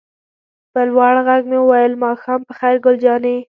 په لوړ غږ مې وویل: ماښام په خیر ګل جانې.